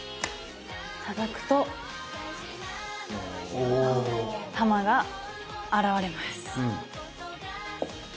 たたくと玉が現れます。